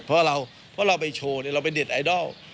เพราะเราไปโชว์เราเป็นเน็ตไอดอล